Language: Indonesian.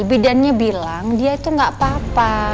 bidannya bilang dia itu gak apa apa